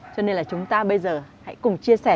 cho nên là chúng ta bây giờ hãy cùng chia sẻ